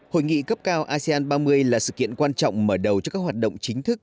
hội nghị cấp cao asean ba mươi là sự kiện quan trọng mở đầu cho các hoạt động chính thức